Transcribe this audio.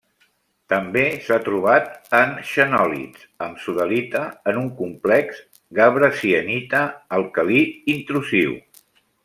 També s'ha trobat en xenòlits amb sodalita en un complex gabre-sienita alcalí intrusiu.